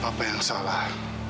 papa yang salah